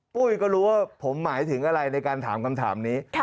ปุ้ยก็รู้ว่าผมหมายถึงอะไรในการถามคำถามนี้